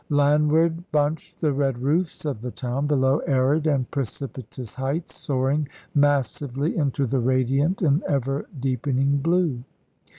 Landward bunched the red roofs of the town, below arid and precipitous heights, soaring massively into the radiant and ever deepening blue.